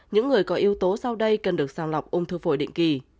những người có yếu tố sau đây cần được sàng lọc ung thư phổi định kỳ